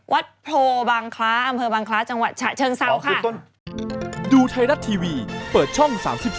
วัดโพบังคลาอำเภอบังคลาจังหวัดชะเชิญซ้ำค่ะพอครูต้น